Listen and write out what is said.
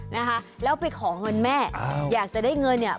นะคะแล้วไปขอเงินแม่อยากจะได้เงินเนี่ย